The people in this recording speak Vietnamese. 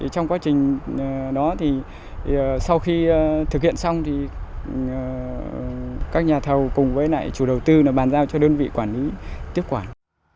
trong quá trình đó thì sau khi thực hiện xong thì các nhà thầu cùng với lại chủ đầu tư bàn giao cho đơn vị quản lý tiếp quản